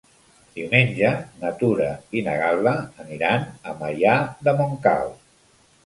Diumenge na Tura i na Gal·la aniran a Maià de Montcal.